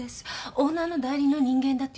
オーナーの代理の人間だって言ってました。